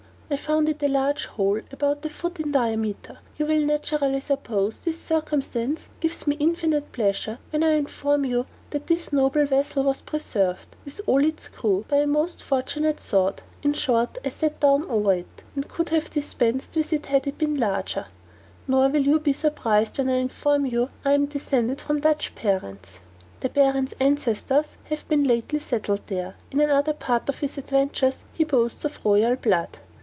I found it a large hole about a foot diameter; you will naturally suppose this circumstance gives me infinite pleasure, when I inform you that this noble vessel was preserved, with all its crew, by a most fortunate thought! in short, I sat down over it, and could have dispensed with it had it been larger; nor will you be surprised when I inform you I am descended from Dutch parents. [The Baron's ancestors have but lately settled there; in another part of his adventures he boasts of royal blood.